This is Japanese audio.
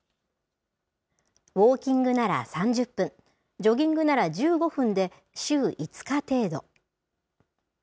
ウォーキングなら３０分、ジョギングなら１５分で、週５日程度。